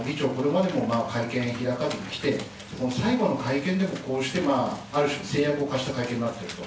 そういう中で、議長、これまでも会見開かずにきて、最後の会見でもこうしてまあ、ある種、制約を課した会見になっていると。